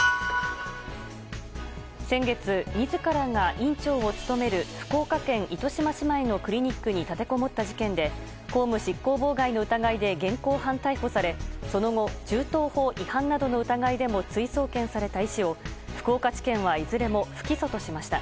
先月、自らが院長を務める福岡県糸島市内のクリニックに立てこもった事件で公務執行妨害の疑いで現行犯逮捕されその後銃刀法違反などの疑いでも追送検された医師を福岡地検はいずれも不起訴としました。